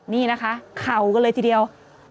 นี่นะคะเข่ากันเลยทีเดียว